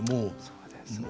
そうですね。